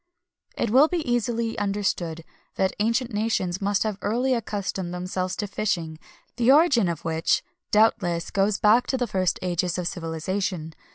[XXI 272] It will be easily understood that ancient nations must have early accustomed themselves to fishing, the origin of which, doubtless, goes back to the first ages of civilization.